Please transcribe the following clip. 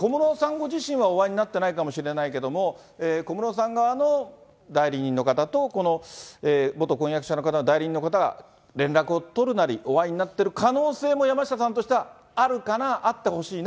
ご自身はお会いになってないかもしれないけども、小室さん側の代理人の方と、この元婚約者の方の代理人の方が連絡を取るなり、お会いになってる可能性も、山下さんとしてはあるかな？